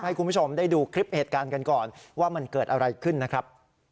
ให้คุณผู้ชมได้ดูคลิปเหตุการณ์กันก่อนว่ามันเกิดอะไรขึ้นนะครับ